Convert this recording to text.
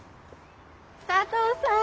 佐藤さん